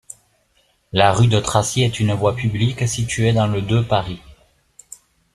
La rue de Tracy est une voie publique située dans le de Paris.